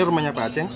ini rumahnya pak ajeng